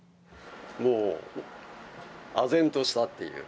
もう、あぜんとしたっていう。